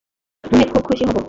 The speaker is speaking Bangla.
আমি খুব খুশি হব।